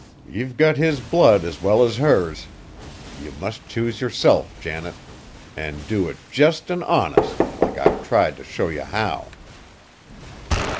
Ye've got his blood as well as hers! Ye must choose yerself, Janet, an' do it just an' honest like I've tried t' show ye how!"